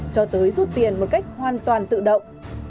cho tới rút tiền một cách hoàn toàn tự động